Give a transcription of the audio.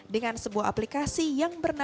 dengan sebuah aplikasi yang bernama